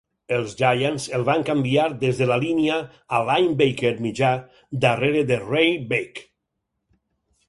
Els Giants el van canviar des de la línia a linebacker mitjà darrere de Ray Beck.